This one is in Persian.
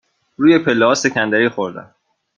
روی پله ها سکندری خوردم.